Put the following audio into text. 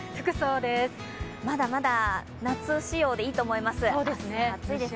まだまだ夏仕様でいいと思います、暑いですね。